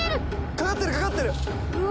かかってるかかってる！